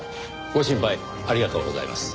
ご心配ありがとうございます。